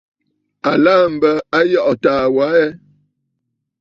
À laà m̀bə Ayɔꞌɔ̀ taa wa aa ɛ?